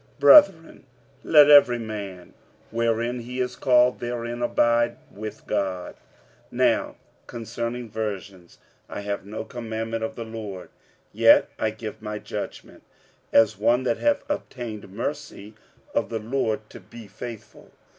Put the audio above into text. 46:007:024 Brethren, let every man, wherein he is called, therein abide with God. 46:007:025 Now concerning virgins I have no commandment of the Lord: yet I give my judgment, as one that hath obtained mercy of the Lord to be faithful.